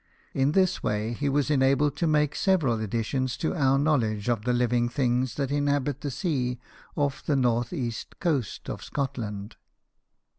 In this way he was enabled to make several additions to our knowledge of the living things that inhabit the sea off the north east coast of Scot land.